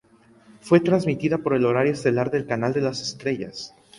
Fue transmitida por el horario estelar del Canal de las Estrellas.